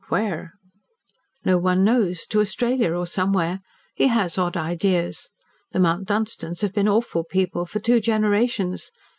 "Where?" "No one knows. To Australia or somewhere. He has odd ideas. The Mount Dunstans have been awful people for two generations.